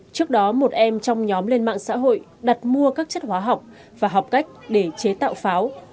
trước đó một em trong nhóm lên mạng xã hội đặt mua các chất hóa học và học cách để chế tạo pháo